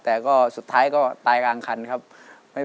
โหพอขึ้นรถไปแถวกลางโดมโทรศัพท์เขา